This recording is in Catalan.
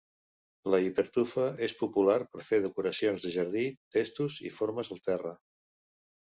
La hypertufa és popular per fer decoracions de jardí, testos i formes al terra.